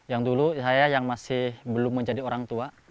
yang dulu saya yang masih belum menjadi orang tua